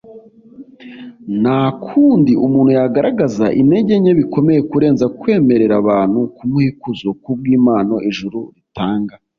nta kundi umuntu yagaragaza intege nke bikomeye kurenza kwemerera abantu kumuha ikuzo kubw'impano ijuru ritanga